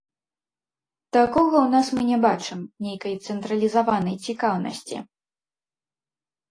Такога ў нас мы не бачым, нейкай цэнтралізаванай цікаўнасці.